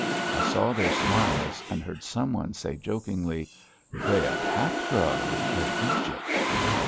I saw their smiles and heard some one say jokingly: "Cleopatra of Egypt!"